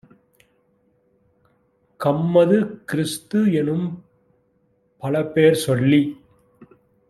கம்மது, கிறிஸ்து-எனும் பலபேர் சொல்லிச்